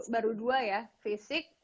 baru dua ya fisik